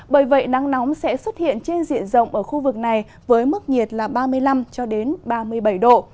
bởi vậy nắng nóng sẽ xuất hiện trên diện rộng ở khu vực này với mức nhiệt là ba mươi năm ba mươi bảy độ